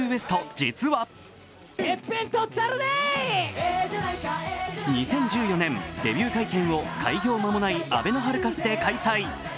実は２０１４年、デビュー会見を開業間もないあべのハルカスで開催。